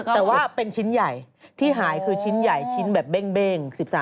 แต่ว่าเป็นชิ้นใหญ่ที่หายคือชิ้นใหญ่ชิ้นแบบเบ้ง๑๓